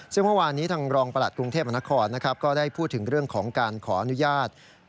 ซึ่งเมื่อวานนี้ทางรองประหลัดกรุงเทพมนครก็ได้พูดถึงเรื่องของการขออนุญาต